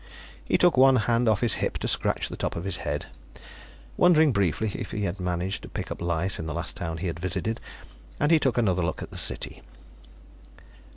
He took one hand off his hip to scratch at the top of his head, wondering briefly if he had managed to pick up lice in the last town he had visited, and he took another look at the city.